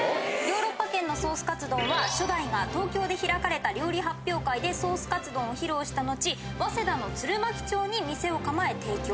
ヨーロッパ軒のソースカツ丼は初代が東京で開かれた料理発表会でソースカツ丼を披露したのち早稲田の鶴巻町に店をかまえ提供。